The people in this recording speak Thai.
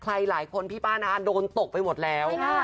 หลายคนพี่ป้าน้าโดนตกไปหมดแล้ว